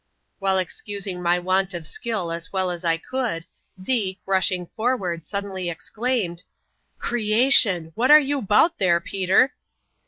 While excusing my want of skill as well as I could, Zeke, rushing forward, suddenly exclaimed, "Creation I what aw you 'bout there, Peter?"